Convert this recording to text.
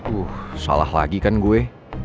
uh salah lagi kan gue